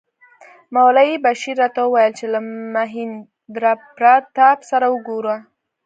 مولوي بشیر راته وویل چې له مهیندراپراتاپ سره وګوره.